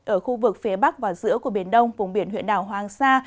ở khu vực phía bắc và giữa của biển đông vùng biển huyện đảo hoàng sa